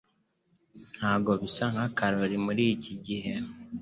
Ntabwo bisa na Karoli muri iki gihe